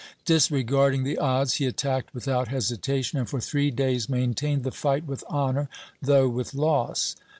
Disregarding the odds, he attacked without hesitation, and for three days maintained the fight with honor, though with loss.